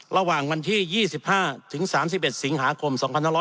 ระหว่างวันที่๒๕ถึง๓๑สิงหาคม๒๕๖๐